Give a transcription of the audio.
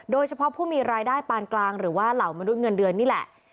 โดยเฉพาะผู้มีรายได้ปานกลางหรือว่าเหล่ามนุษย์เงินเดือนนี่แหละ